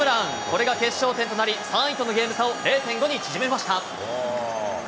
これが決勝点となり、３位とのゲーム差を０．５に縮めました。